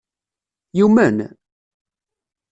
Yumen?